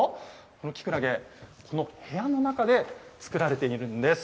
このきくらげ、この部屋の中で作られているんです。